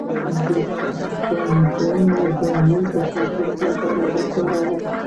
د بانجان دانه د قبضیت لپاره وکاروئ